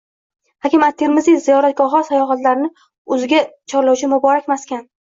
Hakim at-Termiziy ziyoratgohi – sayyohlarni o‘ziga chorlovchi muborak maskan